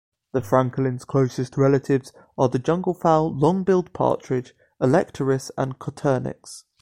The francolins' closest relatives are the junglefowl, long-billed partridge, "Alectoris" and "Coturnix".